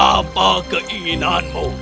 katakan keinginanmu dan kanji